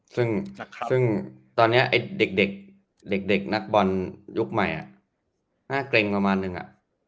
ซึ่งตอนนี้เด็กนักบอลยุคใหม่น่าเกร็งประมาณนึง